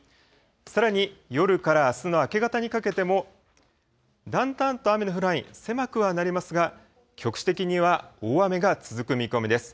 さらに、夜からあすの明け方にかけても、だんだんと雨の降る範囲、狭くはなりますが、局地的には大雨が続く見込みです。